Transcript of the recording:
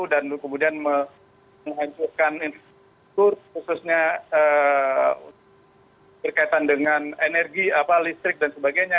kemudian menghancurkan infrastruktur khususnya berkaitan dengan energi listrik dan sebagainya